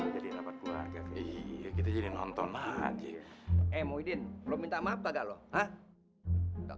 jadi rapat keluarga kita jadi nonton aja eh muhyiddin lo minta maaf bagaloh hah